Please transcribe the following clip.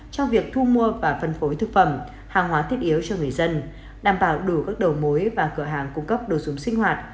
trong việc thu mua và phân phối thực phẩm hàng hóa thiết yếu cho người dân đảm bảo đủ các đầu mối và cửa hàng cung cấp đồ dùng sinh hoạt